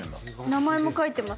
名前も書いてます。